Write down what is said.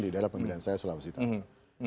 di dalam pembinaan saya sulawesi utara